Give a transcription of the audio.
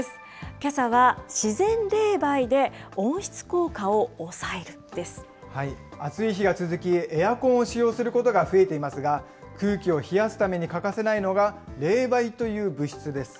けさは、自然冷媒で温室効果を抑暑い日が続き、エアコンを使用することが増えていますが、空気を冷やすために欠かせないのが、冷媒という物質です。